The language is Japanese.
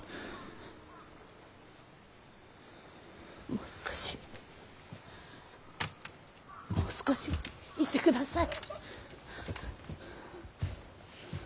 もう少しもう少しいてください。